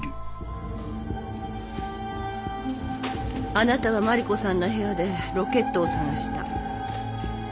あなたは麻里子さんの部屋でロケットを捜した。